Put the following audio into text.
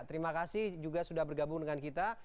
terima kasih juga sudah bergabung dengan kita